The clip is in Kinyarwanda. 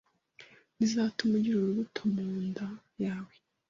ntizatuma ugira urubuto munda yawe"